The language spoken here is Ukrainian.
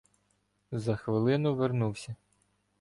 За хвилину вернувся.